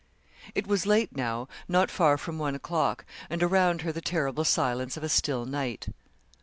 It was late now, not far from one o'clock, and around her the terrible silence of a still night.